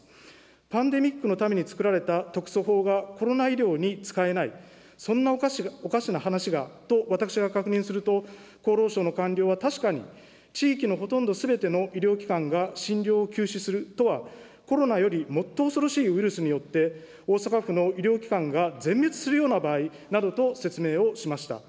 パンデミックのためにつくられた特措法がコロナ医療に使えない、そんなおかしな話がと、私は確認すると、厚労省の官僚は確かに、地域のほとんどすべての医療機関が診療を休止するとは、コロナよりもっと恐ろしいウイルスによって、大阪府の医療機関が全滅するような場合などと説明をしました。